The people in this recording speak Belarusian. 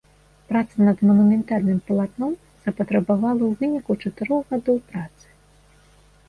Праца над манументальным палатном запатрабавала ў выніку чатырох гадоў працы.